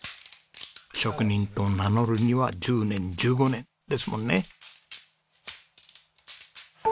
「職人と名乗るには１０年１５年」ですもんね。